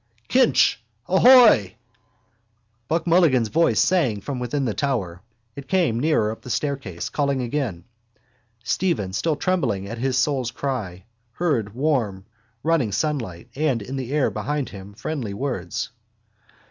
—Kinch ahoy! Buck Mulligan's voice sang from within the tower. It came nearer up the staircase, calling again. Stephen, still trembling at his soul's cry, heard warm running sunlight and in the air behind him friendly words.